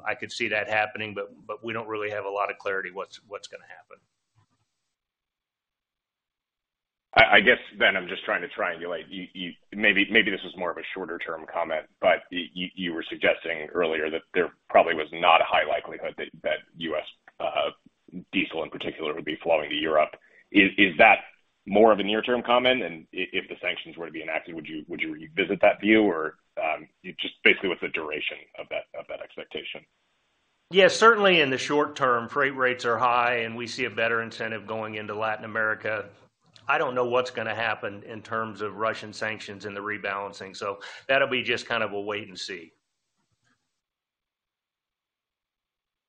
[SPEAKER 15] I could see that happening, but we don't really have a lot of clarity what's gonna happen.
[SPEAKER 13] I guess then I'm just trying to triangulate. Maybe this is more of a shorter-term comment, but you were suggesting earlier that there probably was not a high likelihood that U.S. diesel in particular would be flowing to Europe. Is that more of a near-term comment? If the sanctions were to be enacted, would you revisit that view or just basically what's the duration of that expectation?
[SPEAKER 15] Yeah. Certainly in the short term, freight rates are high, and we see a better incentive going into Latin America. I don't know what's gonna happen in terms of Russian sanctions and the rebalancing, so that'll be just kind of a wait and see.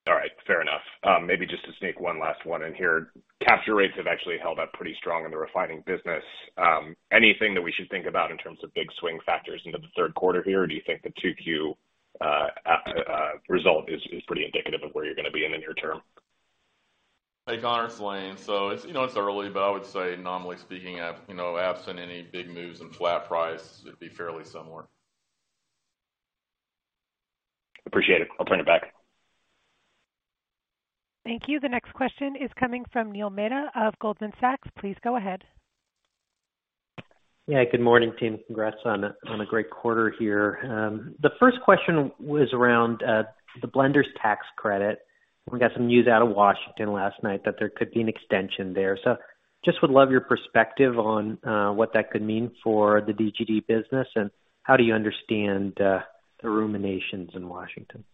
[SPEAKER 13] All right. Fair enough. Maybe just to sneak one last one in here. Capture rates have actually held up pretty strong in the refining business. Anything that we should think about in terms of big swing factors into the third quarter here, or do you think the 2Q result is pretty indicative of where you're gonna be in the near term?
[SPEAKER 7] Hey, Connor. It's Lane. It's, you know, it's early, but I would say nominally speaking, you know, absent any big moves in flat price, it'd be fairly similar.
[SPEAKER 13] Appreciate it. I'll turn it back.
[SPEAKER 1] Thank you. The next question is coming from Neil Mehta of Goldman Sachs. Please go ahead.
[SPEAKER 16] Yeah. Good morning, team. Congrats on a great quarter here. The first question was around the Blender's Tax Credit. We got some news out of Washington last night that there could be an extension there. Just would love your perspective on what that could mean for the DGD business and how do you understand the ruminations in Washington?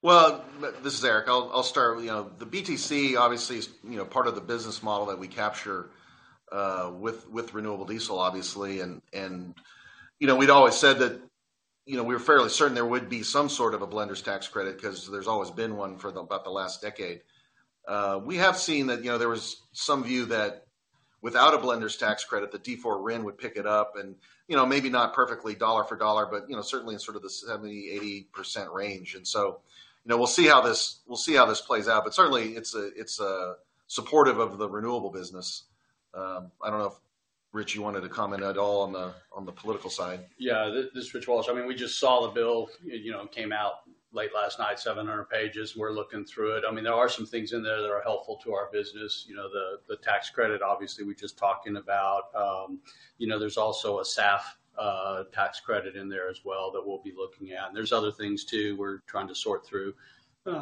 [SPEAKER 15] Well, this is Eric. I'll start. You know, the BTC obviously is, you know, part of the business model that we capture with renewable diesel, obviously. You know, we'd always said that, you know, we were fairly certain there would be some sort of a Blender's Tax Credit because there's always been one for about the last decade. We have seen that, you know, there was some view that without a Blender's Tax Credit, the D4 RIN would pick it up and, you know, maybe not perfectly dollar for dollar, but, you know, certainly in sort of the 70%-80% range. You know, we'll see how this plays out. Certainly it's supportive of the renewable business. I don't know if Rich, you wanted to comment at all on the political side?
[SPEAKER 17] Yeah. This is Rich Walsh. I mean, we just saw the bill, you know, came out late last night, 700 pages. We're looking through it. I mean, there are some things in there that are helpful to our business. You know, the tax credit obviously we're just talking about. You know, there's also a SAF tax credit in there as well that we'll be looking at. There's other things too we're trying to sort through. You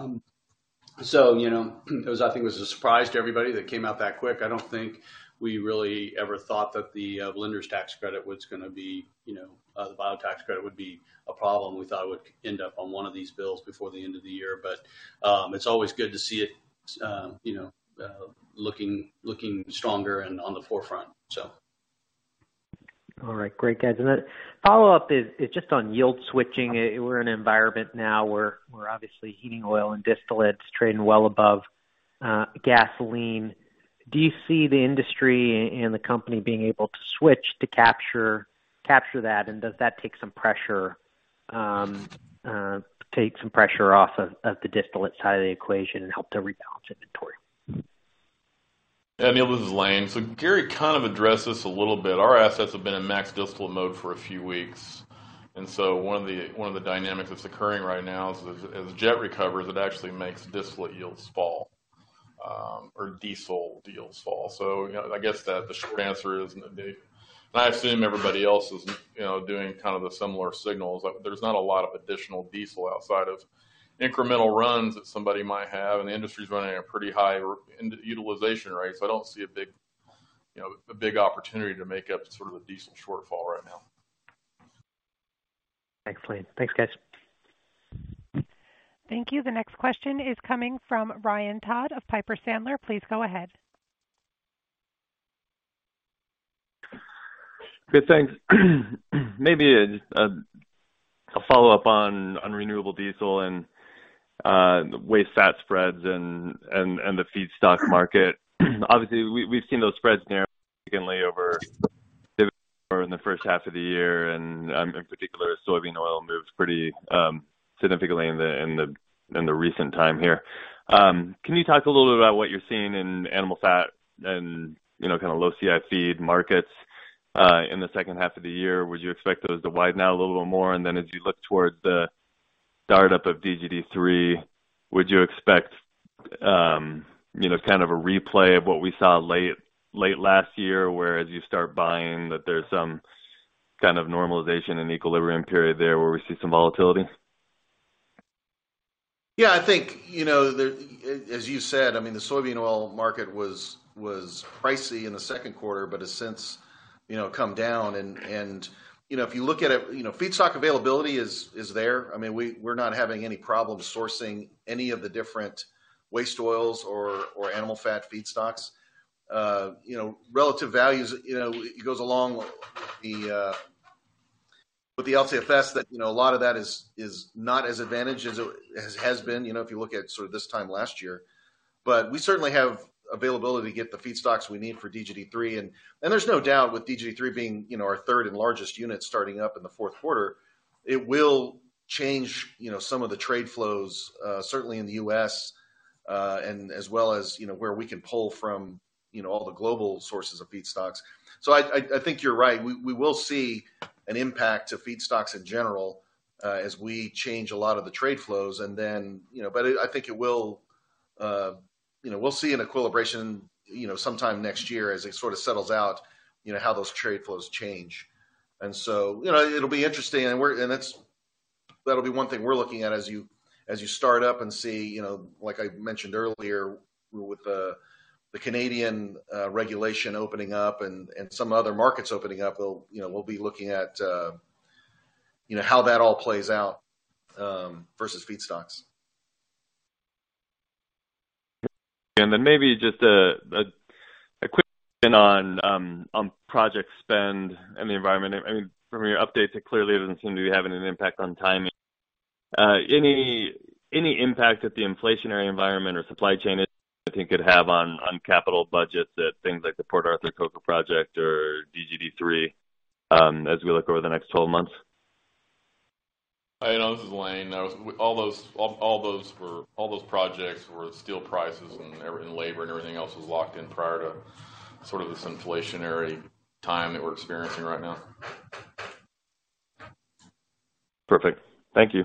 [SPEAKER 17] know, I think it was a surprise to everybody that came out that quick. I don't think we really ever thought that the Blender's Tax Credit was gonna be, you know, the Bio Tax Credit would be a problem. We thought it would end up on one of these bills before the end of the year. It's always good to see it, you know, looking stronger and on the forefront, so.
[SPEAKER 18] All right. Great, guys. Follow up is just on yield switching. We're in an environment now where we're obviously heating oil and distillates trading well above gasoline. Do you see the industry and the company being able to switch to capture that? Does that take some pressure off of the distillate side of the equation and help to rebalance inventory?
[SPEAKER 7] Yeah. Neil, this is Lane. Gary kind of addressed this a little bit. Our assets have been in max distillate mode for a few weeks, and one of the dynamics that's occurring right now is as jet recovers, it actually makes distillate yields fall, or diesel yields fall. You know, I guess that the short answer is no, Dave. I assume everybody else is, you know, doing kind of the similar thing. There's not a lot of additional diesel outside of incremental runs that somebody might have, and the industry's running at pretty high utilization rates. I don't see a big, you know, a big opportunity to make up sort of a decent shortfall right now.
[SPEAKER 18] Thanks, Lane. Thanks, guys.
[SPEAKER 1] Thank you. The next question is coming from Ryan Todd of Piper Sandler. Please go ahead.
[SPEAKER 19] Good. Thanks. Maybe a follow-up on renewable diesel and waste fat spreads and the feedstock market. Obviously we've seen those spreads narrow over in the first half of the year, and in particular, soybean oil moves pretty significantly in the recent time here. Can you talk a little bit about what you're seeing in animal fat and, you know, kind of low CI feed markets in the second half of the year? Would you expect those to widen out a little more? As you look towards the startup of DGD3, would you expect, you know, kind of a replay of what we saw late last year, where as you start buying that there's some kind of normalization and equilibrium period there where we see some volatility?
[SPEAKER 15] I think, you know, as you said, I mean, the soybean oil market was pricey in the second quarter, but has since, you know, come down and, you know, if you look at it, you know, feedstock availability is there. I mean, we're not having any problem sourcing any of the different waste oils or animal fat feedstocks. You know, relative values, you know, it goes along with the LCFS that, you know, a lot of that is not as advantaged as it has been, you know, if you look at sort of this time last year. We certainly have availability to get the feedstocks we need for DGD3. There's no doubt with DGD3 being, you know, our third and largest unit starting up in the fourth quarter, it will change, you know, some of the trade flows, certainly in the U.S., and as well as, you know, where we can pull from, you know, all the global sources of feedstocks. I think you're right. We will see an impact to feedstocks in general, as we change a lot of the trade flows. I think it will. We'll see an equilibration sometime next year as it sort of settles out, you know, how those trade flows change. It'll be interesting. That'll be one thing we're looking at as you start up and see, you know, like I mentioned earlier, with the Canadian regulation opening up and some other markets opening up. We'll, you know, we'll be looking at, you know, how that all plays out versus feedstocks.
[SPEAKER 20] Then maybe just a quick one on project spend and the environment. I mean, from your updates, it clearly doesn't seem to be having an impact on timing. Any impact that the inflationary environment or supply chain could have on capital budgets at things like the Port Arthur Coker Project or DGD3, as we look over the next 12 months?
[SPEAKER 7] I know. This is Lane. All those projects were steel prices and labor and everything else was locked in prior to sort of this inflationary time that we're experiencing right now.
[SPEAKER 20] Perfect. Thank you.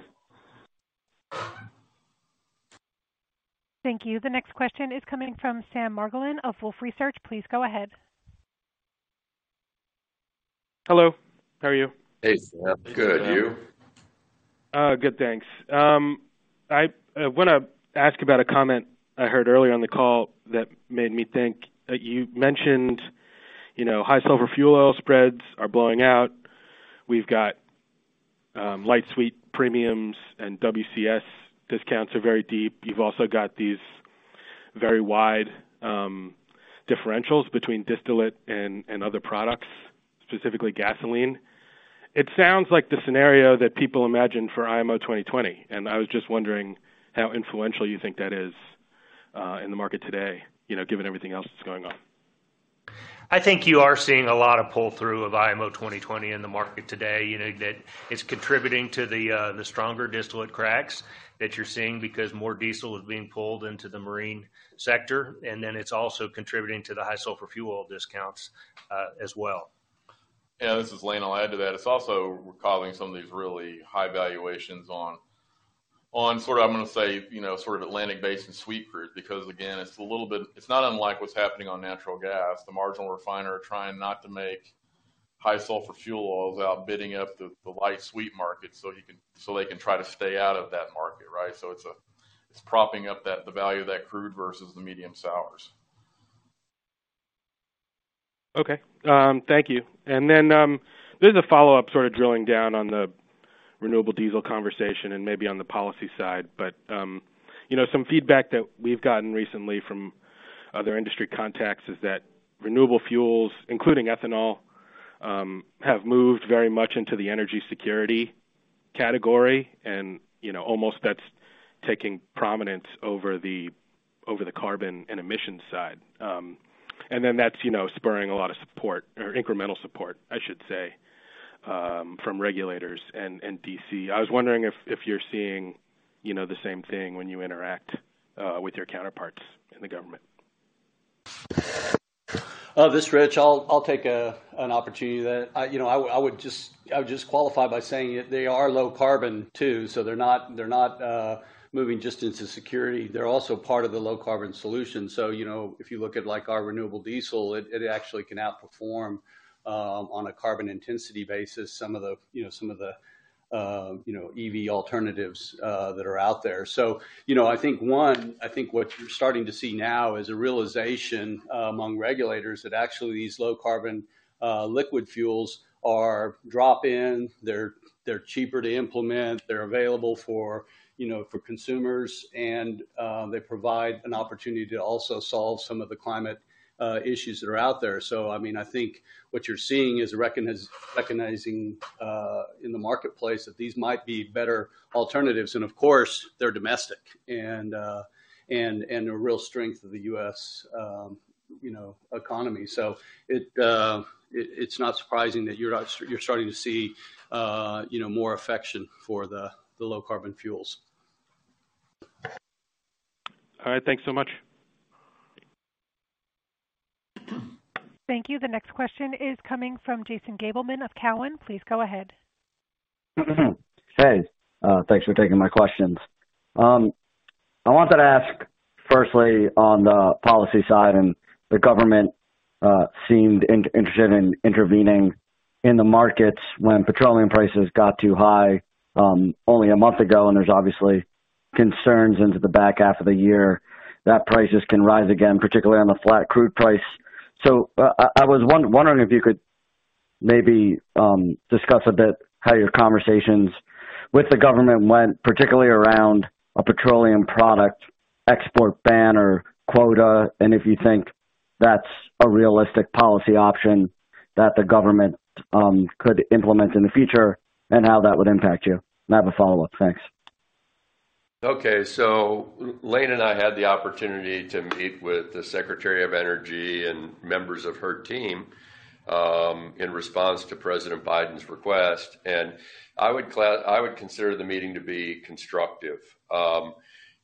[SPEAKER 1] Thank you. The next question is coming from Sam Margolin of Wolfe Research. Please go ahead.
[SPEAKER 21] Hello. How are you?
[SPEAKER 7] Hey, Sam. Good. You?
[SPEAKER 21] Good, thanks. I wanna ask about a comment I heard earlier on the call that made me think. You mentioned, you know, high sulfur fuel oil spreads are blowing out. We've got light sweet premiums and WCS discounts are very deep. You've also got these very wide differentials between distillate and other products, specifically gasoline. It sounds like the scenario that people imagined for IMO 2020, and I was just wondering how influential you think that is in the market today, you know, given everything else that's going on.
[SPEAKER 17] I think you are seeing a lot of pull-through of IMO 2020 in the market today. You know, that it's contributing to the stronger distillate cracks that you're seeing because more diesel is being pulled into the marine sector, and then it's also contributing to the high sulfur fuel discounts, as well.
[SPEAKER 7] Yeah, this is Lane. I'll add to that. It's also causing some of these really high valuations on sort of I'm gonna say, you know, sort of Atlantic Basin sweet crude because again it's a little bit. It's not unlike what's happening on natural gas. The marginal refiner trying not to make high sulfur fuel oils outbidding up the light sweet market, so they can try to stay out of that market, right? It's propping up the value of that crude versus the medium sours.
[SPEAKER 21] Okay. Thank you. This is a follow-up sort of drilling down on the renewable diesel conversation and maybe on the policy side. You know, some feedback that we've gotten recently from other industry contacts is that renewable fuels, including ethanol, have moved very much into the energy security category and, you know, almost that's taking prominence over the carbon and emissions side. That's, you know, spurring a lot of support or incremental support, I should say, from regulators and D.C. I was wondering if you're seeing, you know, the same thing when you interact with your counterparts in the government.
[SPEAKER 17] This is Rich. I'll take an opportunity. You know, I would just qualify by saying it, they are low carbon too, so they're not moving just into security. They're also part of the low carbon solution. You know, if you look at like our renewable diesel, it actually can outperform on a carbon intensity basis some of the EV alternatives that are out there. You know, I think what you're starting to see now is a realization among regulators that actually these low carbon liquid fuels are drop-in. They're cheaper to implement, they're available for consumers and they provide an opportunity to also solve some of the climate issues that are out there. I mean, I think what you're seeing is recognizing in the marketplace that these might be better alternatives and of course, they're domestic and a real strength of the U.S., you know, economy. It's not surprising that you're starting to see, you know, more affection for the low-carbon fuels.
[SPEAKER 21] All right, thanks so much.
[SPEAKER 1] Thank you. The next question is coming from Jason Gabelman of Cowen. Please go ahead.
[SPEAKER 22] Hey. Thanks for taking my questions. I wanted to ask firstly on the policy side, and the government seemed interested in intervening in the markets when petroleum prices got too high, only a month ago, and there's obviously concerns into the back half of the year that prices can rise again, particularly on the flat crude price. I was wondering if you could maybe discuss a bit how your conversations with the government went, particularly around a petroleum product export ban or quota, and if you think that's a realistic policy option that the government could implement in the future and how that would impact you. I have a follow-up. Thanks.
[SPEAKER 3] Okay. Lane and I had the opportunity to meet with the Secretary of Energy and members of her team in response to President Biden's request, and I would consider the meeting to be constructive.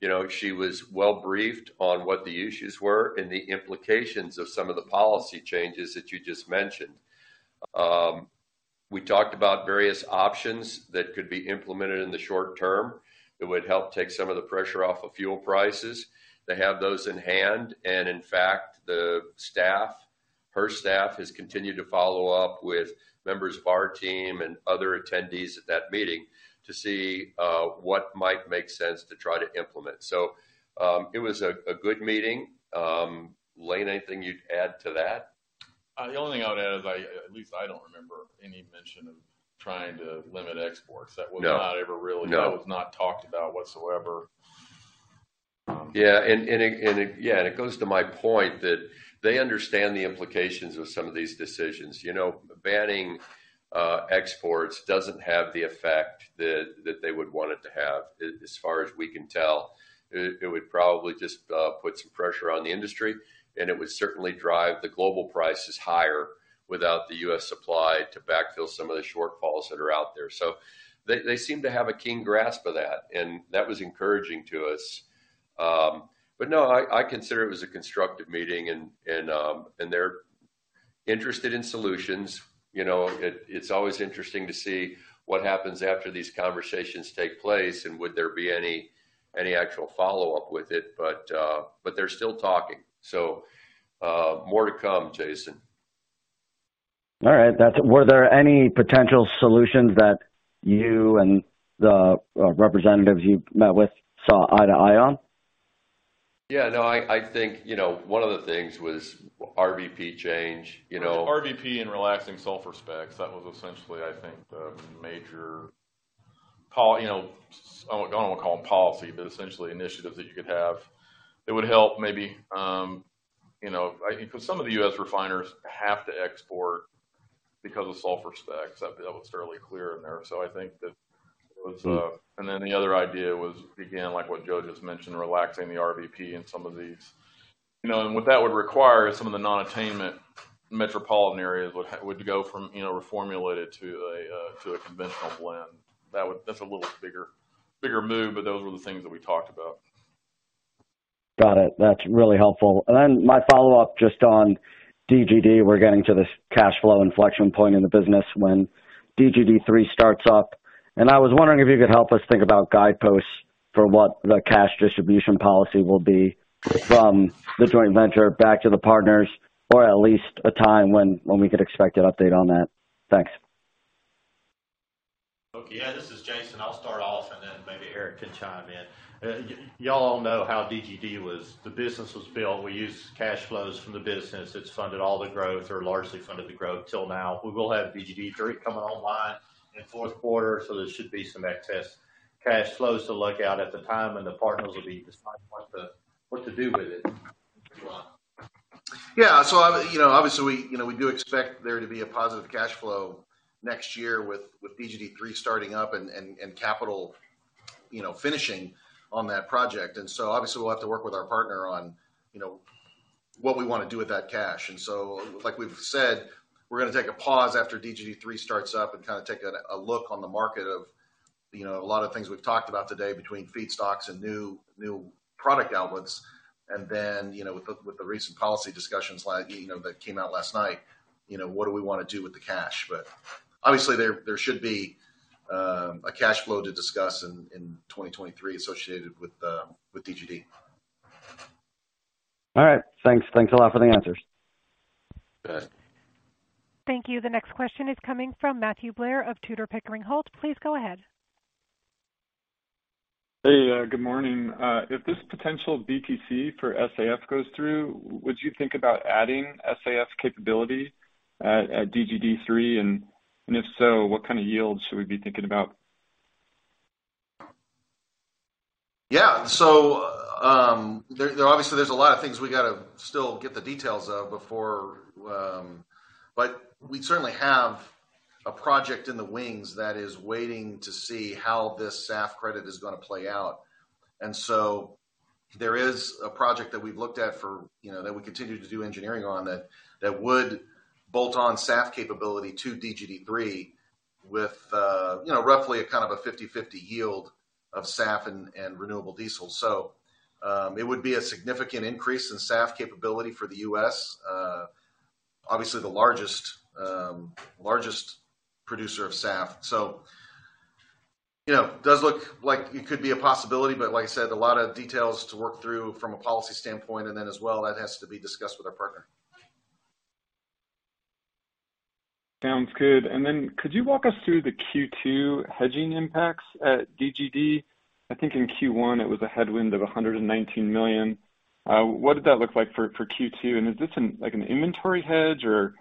[SPEAKER 3] You know, she was well briefed on what the issues were and the implications of some of the policy changes that you just mentioned. We talked about various options that could be implemented in the short term that would help take some of the pressure off of fuel prices. They have those in hand, and in fact, her staff has continued to follow up with members of our team and other attendees at that meeting to see what might make sense to try to implement. It was a good meeting. Lane, anything you'd add to that?
[SPEAKER 7] The only thing I would add is, at least I don't remember any mention of trying to limit exports.
[SPEAKER 3] No.
[SPEAKER 7] -not ever really-
[SPEAKER 3] No.
[SPEAKER 7] that was not talked about whatsoever.
[SPEAKER 3] It goes to my point that they understand the implications of some of these decisions. You know, banning exports doesn't have the effect that they would want it to have as far as we can tell. It would probably just put some pressure on the industry, and it would certainly drive the global prices higher without the U.S. supply to backfill some of the shortfalls that are out there. They seem to have a keen grasp of that, and that was encouraging to us. No, I consider it was a constructive meeting and they're interested in solutions. You know, it's always interesting to see what happens after these conversations take place and would there be any actual follow-up with it. They're still talking. More to come, Jason.
[SPEAKER 23] All right. Were there any potential solutions that you and the representatives you met with saw eye to eye on?
[SPEAKER 24] Yeah. No, I think, you know, one of the things was RVP change, you know.
[SPEAKER 15] RVP and relaxing sulfur specs. That was essentially, I think, the major, you know, I don't wanna call them policy, but essentially initiatives that you could have that would help maybe, you know, I think for some of the U.S. refiners have to export because of sulfur specs. That was fairly clear in there. I think that it was. Then the other idea was, again, like what Joe just mentioned, relaxing the RVP in some of these. You know, and what that would require is some of the non-attainment metropolitan areas would go from, you know, reformulated to a conventional blend. That's a little bigger move, but those were the things that we talked about.
[SPEAKER 22] Got it. That's really helpful. My follow-up just on DGD, we're getting to this cash flow inflection point in the business when DGD3 starts up. I was wondering if you could help us think about guideposts for what the cash distribution policy will be from the joint venture back to the partners or at least a time when we could expect an update on that. Thanks.
[SPEAKER 24] Okay. Yeah. This is Jason. I'll start off, and then maybe Eric can chime in. Y'all know how DGD was. The business was built. We used cash flows from the business. It's funded all the growth or largely funded the growth till now. We will have DGD3 coming online in fourth quarter, so there should be some excess cash flows to look out at the time, and the partners will be deciding what to do with it.
[SPEAKER 15] Yeah. You know, obviously, we, you know, we do expect there to be a positive cash flow next year with DGD3 starting up and capital, you know, finishing on that project. Obviously we'll have to work with our partner on, you know, what we wanna do with that cash. Like we've said, we're gonna take a pause after DGD3 starts up and kinda take a look on the market of, you know, a lot of things we've talked about today between feedstocks and new product outlets. You know, with the recent policy discussions like, you know, that came out last night, you know, what do we wanna do with the cash? Obviously there should be a cash flow to discuss in 2023 associated with DGD.
[SPEAKER 22] All right. Thanks. Thanks a lot for the answers.
[SPEAKER 15] Okay.
[SPEAKER 1] Thank you. The next question is coming from Matthew Blair of Tudor, Pickering, Holt & Co. Please go ahead.
[SPEAKER 25] Hey, good morning. If this potential BTC for SAF goes through, would you think about adding SAF capability at DGD3? If so, what kind of yields should we be thinking about?
[SPEAKER 15] Yeah. There obviously there's a lot of things we gotta still get the details of before, but we certainly have a project in the wings that is waiting to see how this SAF credit is gonna play out. There is a project that we've looked at for, you know, that we continue to do engineering on that would bolt on SAF capability to DGD3 with, you know, roughly a kind of a 50/50 yield of SAF and renewable diesel. It would be a significant increase in SAF capability for the U.S. Obviously the largest producer of SAF. You know, does look like it could be a possibility. Like I said, a lot of details to work through from a policy standpoint. That has to be discussed with our partner.
[SPEAKER 25] Sounds good. Could you walk us through the Q2 hedging impacts at DGD? I think in Q1 it was a headwind of $119 million. What did that look like for Q2? Is this, like, an inventory hedge or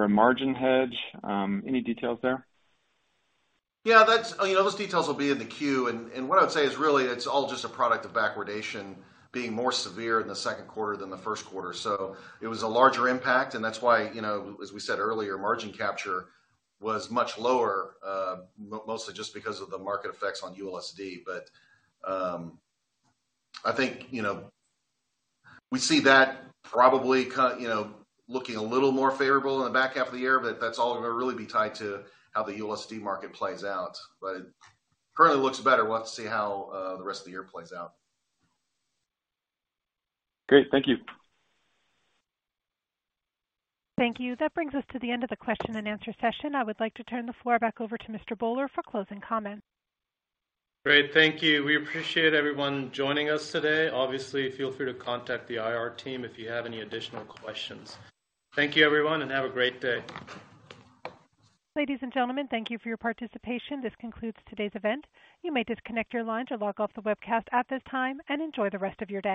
[SPEAKER 25] a margin hedge? Any details there?
[SPEAKER 15] Yeah, that's you know, those details will be in the queue. What I would say is, really, it's all just a product of backwardation being more severe in the second quarter than the first quarter. It was a larger impact, and that's why, you know, as we said earlier, margin capture was much lower, mostly just because of the market effects on ULSD. I think, you know, we see that probably looking a little more favorable in the back half of the year, but that's all gonna really be tied to how the ULSD market plays out. It currently looks better. We'll have to see how the rest of the year plays out.
[SPEAKER 25] Great. Thank you.
[SPEAKER 1] Thank you. That brings us to the end of the question and answer session. I would like to turn the floor back over to Mr. Bhullar for closing comments.
[SPEAKER 2] Great. Thank you. We appreciate everyone joining us today. Obviously, feel free to contact the IR team if you have any additional questions. Thank you, everyone, and have a great day.
[SPEAKER 1] Ladies and gentlemen, thank you for your participation. This concludes today's event. You may disconnect your line or log off the webcast at this time, and enjoy the rest of your day.